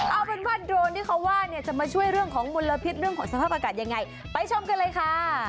เอาเป็นว่าโดรนที่เขาว่าเนี่ยจะมาช่วยเรื่องของมลพิษเรื่องของสภาพอากาศยังไงไปชมกันเลยค่ะ